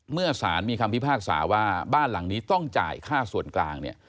เมื่อสารมีคำพิพากษาว่าบ้านหลังนี้ต้องจ่ายค่าส่วนกลางเนี่ย